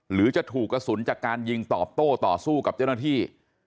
หรือจะถูกกระสุนจากการยิงตอบโต้ต่อสู้กับเจ้าหน้าที่